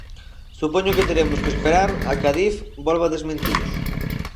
Supoño que teremos que esperar a que Adif volva desmentilos.